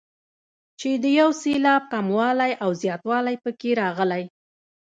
چې د یو سېلاب کموالی او زیاتوالی پکې راغلی.